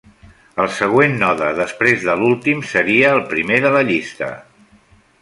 El següent node després de l'últim seria el primer de la llista.